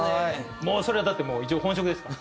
もうそれはだって一応本職ですから。